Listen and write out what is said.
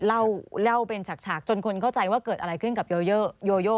เล่าเป็นฉากจนคนเข้าใจว่าเกิดอะไรขึ้นกับโยโย